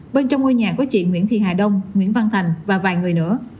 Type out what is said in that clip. bên trong ngôi nhà có chị nguyễn thị hà đông nguyễn văn thành và vài người nữa